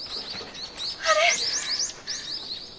あれ！